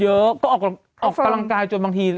เยอะก็ออกกำลังกายจนบางที